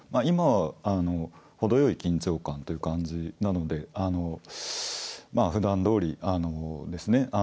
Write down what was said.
今はあの程よい緊張感という感じなのでまあふだんどおりですね